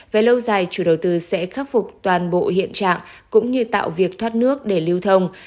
về lâu dài chủ đầu tư sẽ khắc phục toàn bộ hiện trạng cũng như tạo việc thoát nước để lưu thông